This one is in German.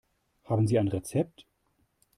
Haben Sie ein Rezept?